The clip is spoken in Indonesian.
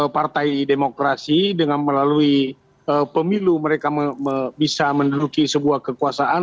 partai demokrasi dengan melalui pemilu mereka bisa menduduki sebuah kekuasaan